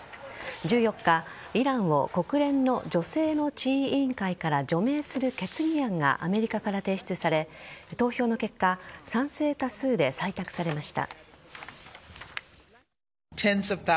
１４日、イランを国連の女性の地位委員会から除名する決議案がアメリカから提出され投票の結果賛成多数で採択されました。